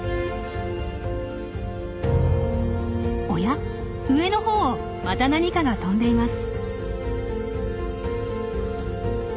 おや上の方をまた何かが飛んでいます。